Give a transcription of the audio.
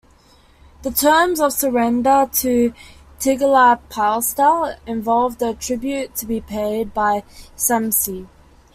The terms of surrender to Tiglath-Pileser involved a tribute to be paid by Samsi.